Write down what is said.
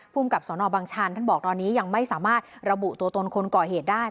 กับสนบังชันท่านบอกตอนนี้ยังไม่สามารถระบุตัวตนคนก่อเหตุได้